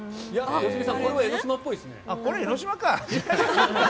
良純さんこれは江の島っぽいね。